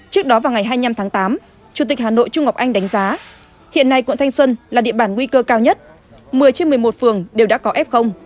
trước đó vào ngày hai mươi năm tháng tám chủ tịch hà nội trung ngọc anh đánh giá hiện nay quận thanh xuân là địa bàn nguy cơ cao nhất một mươi trên một mươi một phường đều đã có f